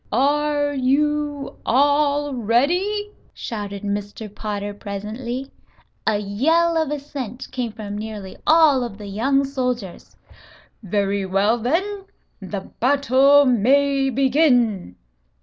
"Are you all ready?" shouted Mr. Potter presently. A yell of assent came from nearly all of the young soldiers. "Very well, then; the battle may begin."